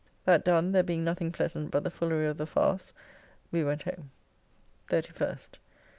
That done, there being nothing pleasant but the foolery of the farce, we went home. 31st.